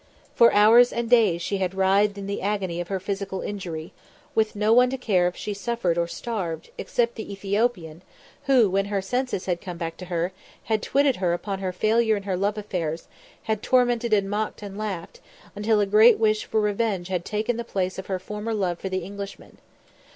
For hours and days she had writhed in the agony of her physical injury, with no one to care if she suffered or starved, except the Ethiopian, who, when her senses had come back to her, had twitted her upon her failure in her love affairs; had tormented and mocked and laughed, until a great wish for revenge had taken the place of her former love for the Englishman.